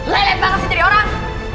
lelet banget sendiri orang